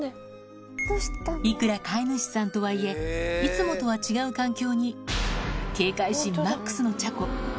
いくら飼い主さんとはいえ、いつもとは違う環境に、警戒心マックスのちゃこ。